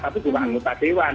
tapi juga anggota dewan